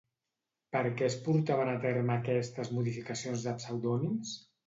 Per què es portaven a terme aquestes modificacions de pseudònims?